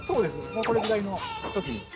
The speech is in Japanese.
もうこれぐらいの時に。